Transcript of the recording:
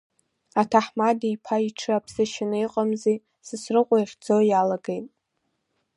Аҭаҳмада иԥа иҽы аԥсы шьаны иҟамзи, Сасрыҟәа ихьӡо иалагеит.